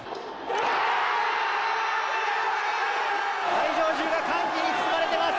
会場中が歓喜に包まれています。